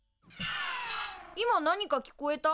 今何か聞こえた？